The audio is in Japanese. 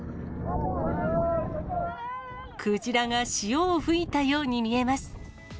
クジラが潮を吹いたように見えます。